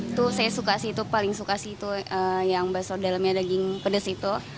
itu saya suka sih itu paling suka sih itu yang bakso dalamnya daging pedas itu